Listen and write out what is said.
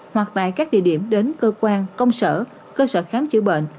hoặc tại các địa điểm đến cơ quan công sở cơ sở khám chữa bệnh